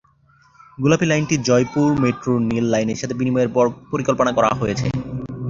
গোলাপী লাইনটি জয়পুর মেট্রোর নীল লাইনের সাথে বিনিময়ের পরিকল্পনা করা হয়েছে।